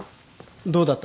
どうだった？